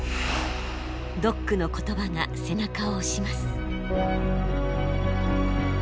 ドックの言葉が背中を押します。